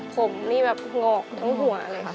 ผมนี่แบบงอกทั้งหัวเลยค่ะ